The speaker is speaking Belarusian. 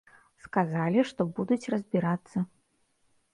Сказалі, што будуць разбірацца.